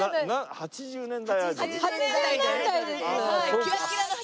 ８０年代。